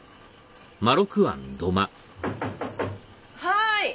はい。